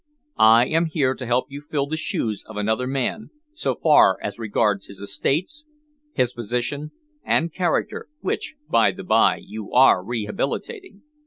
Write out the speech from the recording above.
I am here to help you fill the shoes of another man, so far as regards his estates, his position, and character, which, by the by, you are rehabilitating.